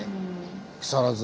木更津。